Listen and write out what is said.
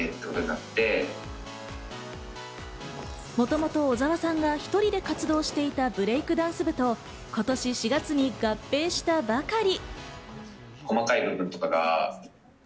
もともと小澤さんが１人で活動していたブレイクダンス部と今年４月に合併したばかり。